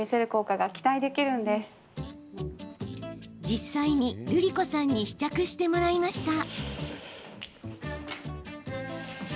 実際に、るりこさんに試着してもらいました。